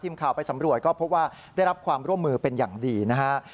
ทีมข่าวไปสำรวจก็พบว่าได้รับความร่วมมือเป็นอย่างดีนะฮะ